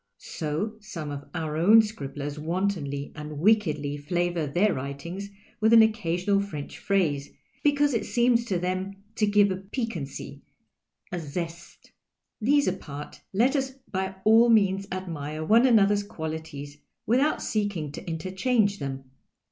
So some of our own scribblers wantonly and wickedly flavour their writings with an occasional French phrase, because it seems to tlieni lo give a |)i<[uaney, a zest. These apart, let us by all means admire one another's qualities without seeking to interchange them.